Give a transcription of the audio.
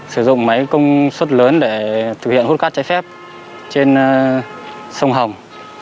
sử dụng máy công suất lớn để thực hiện hút cát trái phép trên sông hồng